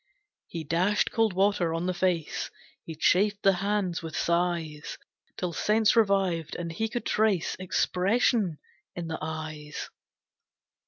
He dashed cold water on the face, He chafed the hands, with sighs, Till sense revived, and he could trace Expression in the eyes.